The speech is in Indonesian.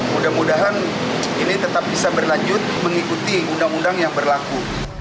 mudah mudahan ini tetap bisa berlanjut mengikuti undang undang yang berlaku